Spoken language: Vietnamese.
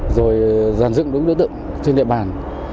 rồi dàn dựng đối tượng trên địa bàn